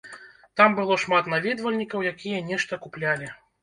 Там было шмат наведвальнікаў, якія нешта куплялі.